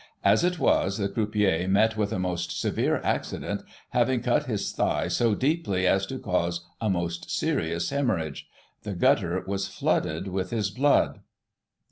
As it was, the croupier met with a most severe accident, having cut his thigh so deeply as to cause a most serious hemorrhage. The gutter was flooded with his blood."